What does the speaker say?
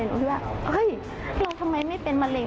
หนูคิดว่าเฮ้ยเราทำไมไม่เป็นมะเร็